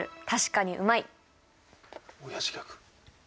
おやじギャグ？